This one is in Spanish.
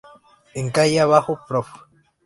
En Calle Abajo: Prof.